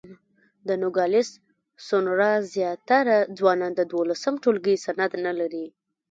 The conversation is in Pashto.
د نوګالس سونورا زیاتره ځوانان د دولسم ټولګي سند نه لري.